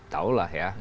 tahu lah ya